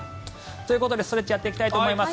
ということでストレッチをやっていきたいと思います。